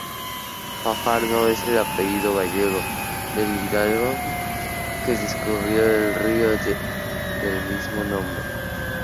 Fajardo es el apellido gallego del hidalgo que descubrió el río del mismo nombre.